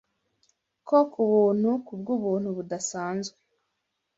Ko Kubuntu kubwubuntu budasanzwe